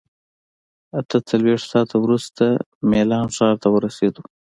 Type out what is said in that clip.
اته څلوېښت ساعته وروسته میلان ښار ته ورسېدو.